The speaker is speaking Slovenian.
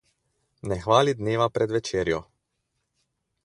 Ne hvali dneva pred večerjo.